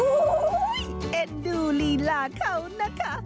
อู้ยยยยยเอ็ดดูลีลาเขานะคะ